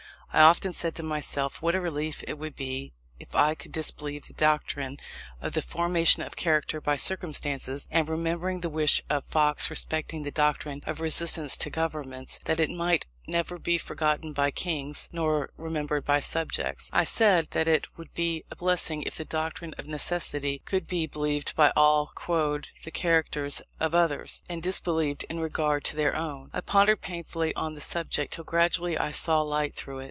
I often said to myself, what a relief it would be if I could disbelieve the doctrine of the formation of character by circumstances; and remembering the wish of Fox respecting the doctrine of resistance to governments, that it might never be forgotten by kings, nor remembered by subjects, I said that it would be a blessing if the doctrine of necessity could be believed by all quoad the characters of others, and disbelieved in regard to their own. I pondered painfully on the subject till gradually I saw light through it.